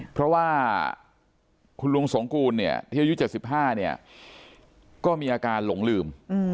เพราะว่าคุณลุงสงกูลเนี่ยที่อายุ๗๕เนี่ยก็มีอาการหลงลืม